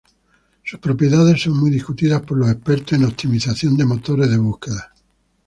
Sus propiedades son muy discutidas por los expertos en optimización de motores de búsqueda.